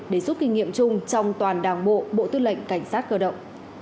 để giúp kinh nghiệm chung trong toàn đảng bộ bộ tư lệnh cảnh sát cơ động